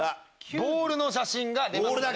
ボールの写真が出ます。